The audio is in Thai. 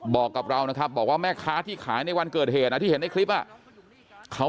บอกกับเรานะครับบอกว่าแม่ค้าที่ขายในวันเกิดเหตุที่เห็นในคลิปเขา